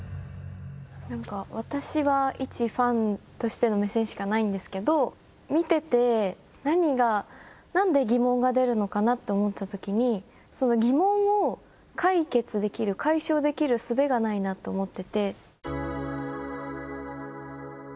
私はいちファンとしての目線しかないんですけど見ててなんで疑問が出るのかなと思ったときに疑問を解決できる解消できる術がないなと思ってて。